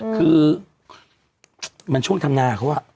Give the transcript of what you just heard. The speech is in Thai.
คือมันช่วงธรรมนาเขาอะ